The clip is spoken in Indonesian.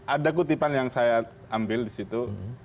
ada kutipan yang saya ambil disitu